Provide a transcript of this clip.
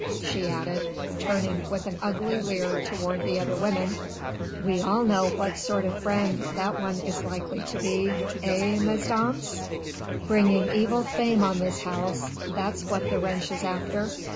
she added, turning with an ugly leer toward the other women, "we all know what sort of friend that one is likely to be, eh, mesdames? Bringing evil fame on this house, that's what the wench is after